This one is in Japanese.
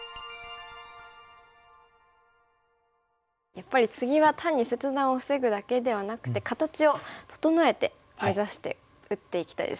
やっぱりツギは単に切断を防ぐだけではなくて形を整えて目指して打っていきたいですね。